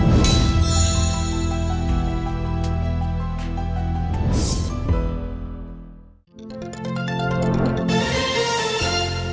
หนูจะช่วยแม่รูแลยายและก็พี่